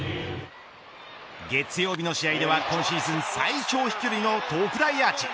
月曜日の試合では今シーズン最長飛距離の特大アーチ。